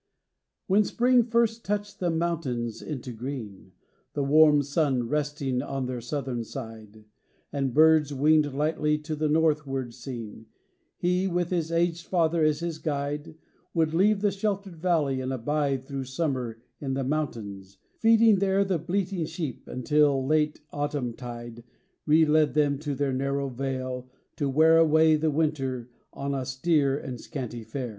III. When spring first touched the mountains into green, The warm sun resting on their southern side; And birds winged lightly to a northward scene, He, with his aged father as his guide, Would leave the sheltered valley and abide Thro' summer in the mountains, feeding there The 'oleating sheep until late autumn tide Re led them to their narrow vale to wear Away the winter on austere and scanty fare.